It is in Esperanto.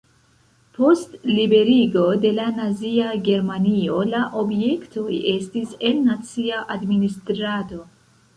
Post liberigo de la nazia Germanio la objektoj estis en nacia administrado.